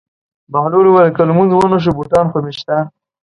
بهلول وویل: که لمونځ ونه شو بوټان خو مې شته.